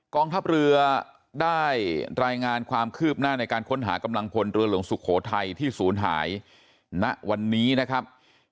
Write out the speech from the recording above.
กองทัพเรือได้รายงานความคืบหน้าในการค้นหากำลังพลเรือหลวงสุโขทัยที่ศูนย์หายณวันนี้นะครับ